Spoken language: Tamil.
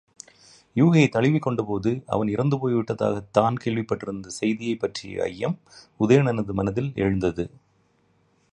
யூகியைத் தழுவிக்கொண்டபோது, அவன் இறந்துபோய் விட்டதாகத் தான் கேள்விப்பட்டிருந்த செய்தியைப் பற்றிய ஐயம், உதயணனது மனத்தில் எழுந்தது.